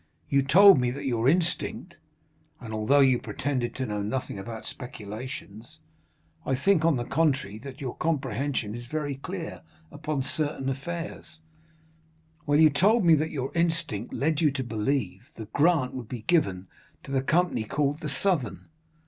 You told me that your instinct,—and although you pretend to know nothing about speculations, I think on the contrary, that your comprehension is very clear upon certain affairs,—well, you told me that your instinct led you to believe the grant would be given to the company called the Southern.